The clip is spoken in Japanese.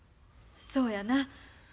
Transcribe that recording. そうやな。